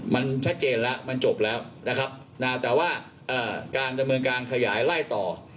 มันชัดเจนแล้วมันจบแล้วนะครับนะแต่ว่าการดำเนินการขยายไล่ต่อ